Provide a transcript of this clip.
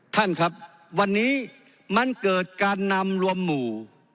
ท่านครับวันนี้มันเกิดการนำรวมหมู่